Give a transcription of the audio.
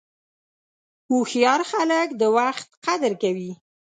هوښیار خلک د وخت قدر کوي.